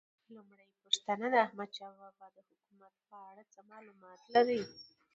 لومړۍ پوښتنه: د احمدشاه بابا د حکومت په اړه څه معلومات لرئ؟